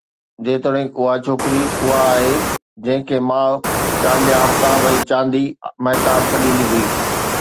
جيتوڻيڪ اها ڇوڪري اها آهي، جنهن کي ماءُ چانڊيا آفتاب ۽ چانڊي مهتاب سڏيندي هئي